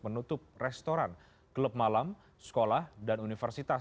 menutup restoran klub malam sekolah dan universitas